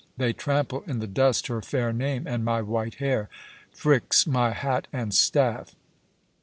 They trample in the dust her fair name and my white hair! Phryx, my hat and staff."